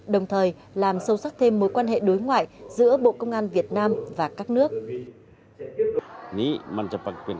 đồng thời làm sâu sắc thêm mối quan hệ đối ngoại giữa bộ công an việt nam và các nước